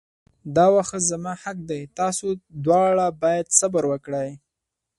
دا واښه زما حق دی تاسو دواړه باید صبر وکړئ.